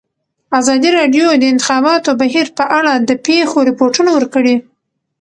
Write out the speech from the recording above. ازادي راډیو د د انتخاباتو بهیر په اړه د پېښو رپوټونه ورکړي.